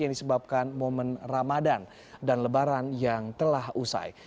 yang disebabkan momen ramadan dan lebaran yang telah usai